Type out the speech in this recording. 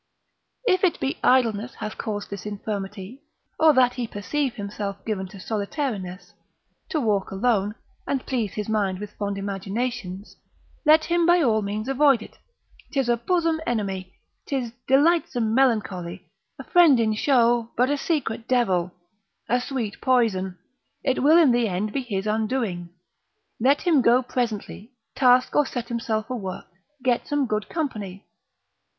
If it be idleness hath caused this infirmity, or that he perceive himself given to solitariness, to walk alone, and please his mind with fond imaginations, let him by all means avoid it; 'tis a bosom enemy, 'tis delightsome melancholy, a friend in show, but a secret devil, a sweet poison, it will in the end be his undoing; let him go presently, task or set himself a work, get some good company.